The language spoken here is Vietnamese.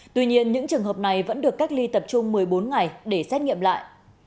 tuy nhiên những trường hợp này vẫn được cách ly tập trung một mươi bốn ngày để xét nghiệm lại